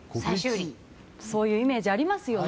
そういうイメージがありますよね。